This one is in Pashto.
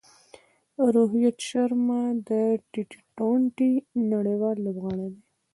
روهیت شرما د ټي ټوئنټي نړۍوال لوبغاړی دئ.